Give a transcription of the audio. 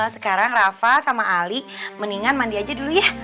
sekarang rafa sama ali mendingan mandi aja dulu ya